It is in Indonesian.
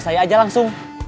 biasanya buat gini aja langsung